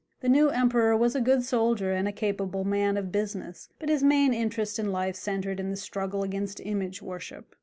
The new emperor was a good soldier and a capable man of business, but his main interest in life centred in the struggle against image worship.